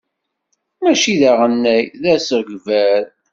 Mačči d aɣennay, d asegbar.